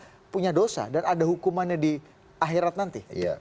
mereka punya dosa dan ada hukumannya di akhirat nanti